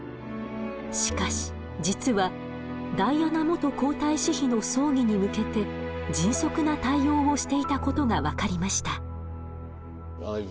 しかし実はダイアナ元皇太子妃の葬儀に向けて迅速な対応をしていたことが分かりました。